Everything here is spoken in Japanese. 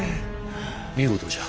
見事じゃ。